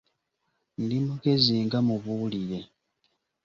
"Ndi mugezi, nga mubuulire."